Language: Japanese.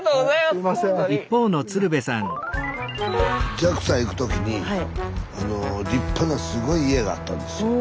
ＪＡＸＡ行く時に立派なすごい家があったんですよ。